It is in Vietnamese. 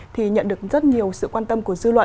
thì nhận được rất nhiều sự quan tâm của dư luận